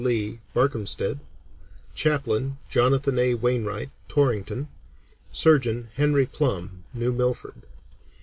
Lee, Barkhamsted; chaplain, Jonathan A. Wainwright, Torrington; surgeon, Henry Plumb, New Milford.